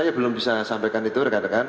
saya belum bisa sampaikan itu rekan rekan